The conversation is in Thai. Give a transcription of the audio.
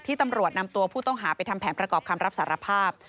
ตำรวจนำตัวผู้ต้องหาไปทำแผนประกอบคำรับสารภาพ